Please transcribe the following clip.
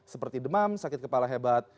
seperti demam sakit kepala hebat